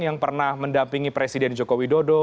yang pernah mendampingi presiden jokowi dodo